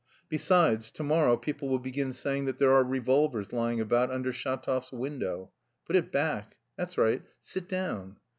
Besides, tomorrow people will begin saying that there are revolvers lying about under Shatov's window. Put it back, that's right; sit down.